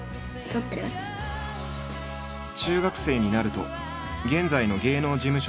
中学生になると現在の芸能事務所に所属。